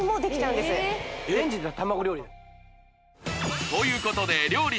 レンジで卵料理ということで料理